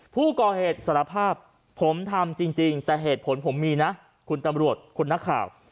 ผู้ก่อเหตุสารภาพผมทำจริงแต่เหตุผลผมมีนะคุณตำรวจคุณนักข่าว